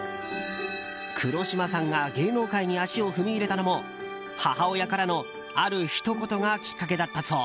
黒島さんが芸能界に足を踏み入れたのも母親からの、あるひと言がきっかけだったそう。